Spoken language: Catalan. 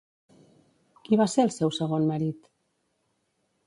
Qui va ser el seu segon marit?